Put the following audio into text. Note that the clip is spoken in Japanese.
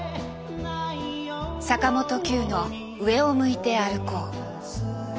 坂本九の「上を向いて歩こう」。